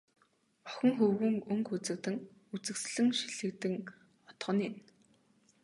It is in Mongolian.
Охин хөвүүн өнгө үзэгдэн, үзэсгэлэн шилэгдэн одох нь энэ.